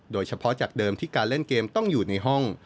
โดยเฉพาะจากเดิมที่การเล่นเกมต้องอยู่ในห้อง